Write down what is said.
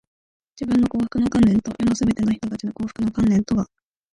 自分の幸福の観念と、世のすべての人たちの幸福の観念とが、